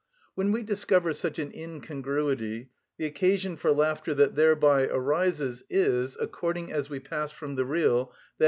When we discover such an incongruity, the occasion for laughter that thereby arises is, according as we pass from the real, _i.